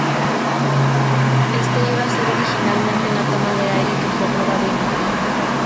Este iba a ser originalmente una toma de aire que fue probado inútil.